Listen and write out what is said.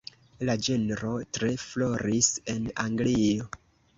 La ĝenro tre floris en Anglio.